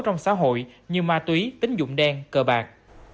trong xã hội như ma túy tính dụng đen cờ bạc